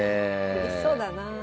うれしそうだな。